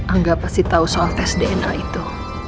angga pasti tahu soal tes dna itu